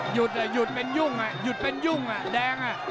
หยุดหยุดเป็นยุ่งอ่ะหยุดเป็นยุ่งอ่ะแดงอ่ะ